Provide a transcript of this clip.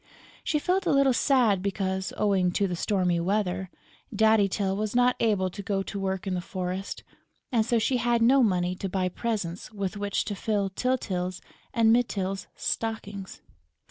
She felt a little sad because, owing to the stormy weather, Daddy Tyl was not able to go to work in the forest; and so she had no money to buy presents with which to fill Tyltyl and Mytyl's stockings.